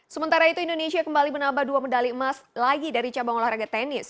sementara itu indonesia kembali menambah dua medali emas lagi dari cabang olahraga tenis